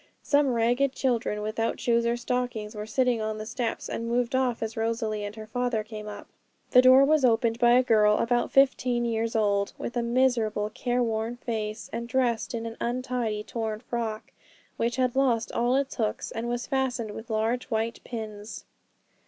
Some ragged children, without shoes or stockings, were sitting on the steps, and moved off as Rosalie and her father came up. The door was opened by a girl about fifteen years old, with a miserable, careworn face, and dressed in an untidy, torn frock, which had lost all its hooks, and was fastened with large white pins.